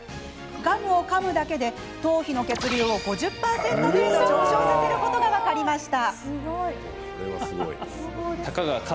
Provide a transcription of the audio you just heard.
ガムをかむだけで頭皮の血流を５０％程度上昇させることが分かりました。